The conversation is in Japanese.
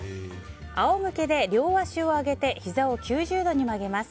仰向けで両足を上げてひざを９０度に曲げます。